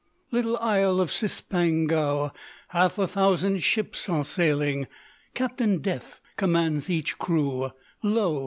_ "Little Isle of Cispangou, Half a thousand ships are sailing; Captain Death commands each crew; _Lo!